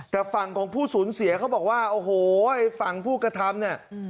แต่ฝั่งของผู้สูญเสียเขาบอกว่าโอ้โหไอ้ฝั่งผู้กระทำเนี่ย